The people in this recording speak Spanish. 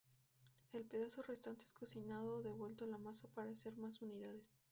El pedazo restante es cocinado o devuelto a la masa para hacer más unidades.